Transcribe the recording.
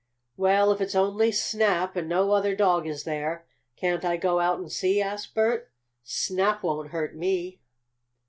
"Well, if it's only Snap, and no other dog is there, can't I go out and see?" asked Bert. "Snap won't hurt me."